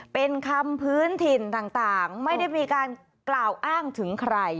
เป็นคำพื้นถิ่นต่างไม่ได้มีการกล่าวอ้างถึงใคร